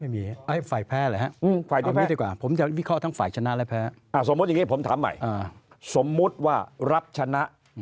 ไม่มีเฟย์แพ้หรอฮะ